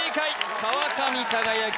川上輝き